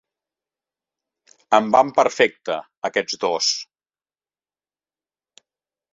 Em van perfecte, aquests dos.